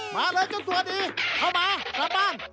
มาเลยเจ้าตัวดีเข้ามากลับบ้าน